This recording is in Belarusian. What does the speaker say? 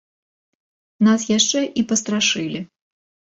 Нас яшчэ і пастрашылі.